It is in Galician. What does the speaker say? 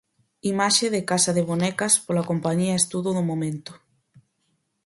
Imaxe de 'Casa de bonecas', pola compañía Estudo do Momento.